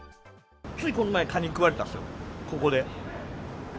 ついこの前、蚊に食われたんですよ、ここで。